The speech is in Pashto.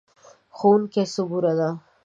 ښوونکې صبوره ده.